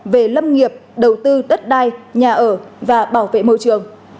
về lâm nghiệp đầu tư đất đai nhà ở và bảo vệ môi trường